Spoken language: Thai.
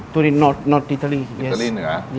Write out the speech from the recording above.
ก่อนอันนี้อยู่ที่ไหน